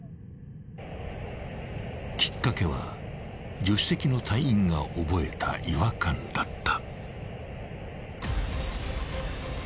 ［きっかけは助手席の隊員が覚えた違和感だった］